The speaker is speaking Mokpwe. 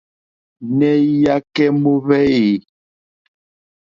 Nɛh Iyakɛ mɔhvɛ eeh?